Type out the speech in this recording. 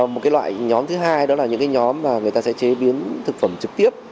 một cái loại nhóm thứ hai đó là những cái nhóm mà người ta sẽ chế biến thực phẩm trực tiếp